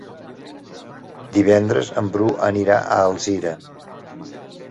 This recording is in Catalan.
Divendres en Bru anirà a Alzira.